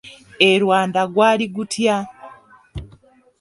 E Rwanda gwali gutya?